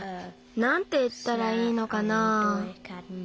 なんていったらいいのかな。